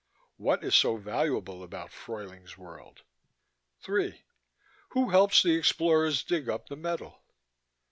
What is so valuable about Fruyling's World? 3. Who helps the explorers dig up the metal?